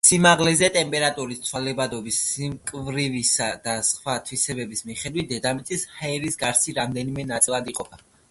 სიმაღლეზე ტემპერატურის ცვალებადობის, სიმკვრივისა და სხვა თვისებების მიხედვით დედამიწის ჰაერის გარსი რამდენიმე ნაწილად იყოფა.